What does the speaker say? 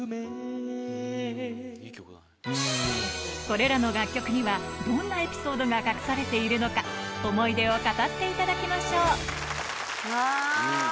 これらの楽曲にはどんなエピソードが隠されているのか思い出を語っていただきましょうわ。